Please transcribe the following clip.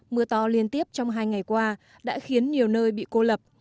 mưa to liên tiếp trong hai ngày qua đã khiến nhiều nơi bị cô lập